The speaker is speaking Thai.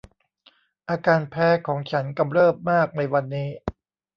อาการแพ้ของฉันกำเริบมากในวันนี้